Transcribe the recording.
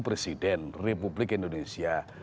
presiden republik indonesia